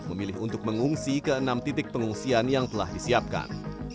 memilih untuk mengungsi ke enam titik pengungsian yang telah disiapkan